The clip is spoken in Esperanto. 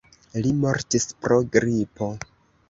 Li mortis pro gripo.